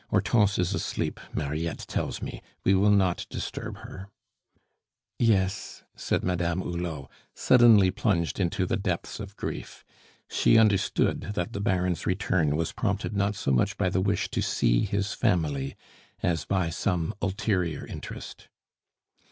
Hortense is asleep, Mariette tells me; we will not disturb her." "Yes," said Madame Hulot, suddenly plunged into the depths of grief. She understood that the Baron's return was prompted not so much by the wish to see his family as by some ulterior interest.